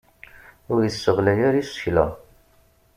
Ur isseɣlay ara isekla.